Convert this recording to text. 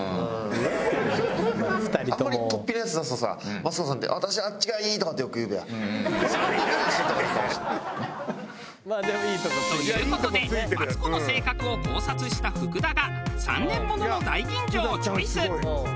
マツコさんって「私あっちがいい！」とかってよく言うべや。という事でマツコの性格を考察した福田が３年ものの大吟醸をチョイス。